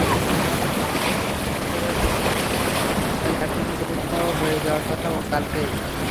Sir Ramachandra বিশ্ববিদ্যালয়ের পরীক্ষাগারে তাঁর অ্যাকশনের পরীক্ষাও হয়ে যাওয়ার কথা কালই।